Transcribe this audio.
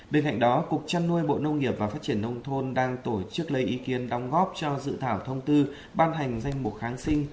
bên cạnh đó cục trăn nuôi bộ nông nghiệp và phát triển nông thôn đang tổ chức lấy ý kiến đóng góp cho dự thảo thông tư ban hành danh mục kháng sinh